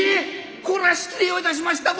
これは失礼をいたしました。